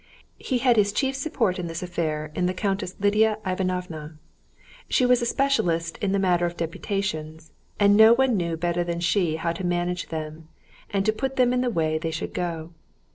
He had his chief support in this affair in the Countess Lidia Ivanovna. She was a specialist in the matter of deputations, and no one knew better than she how to manage them, and put them in the way they should go.